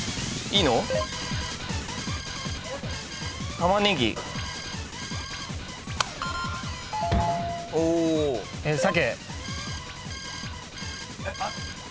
玉ねぎ。え鮭。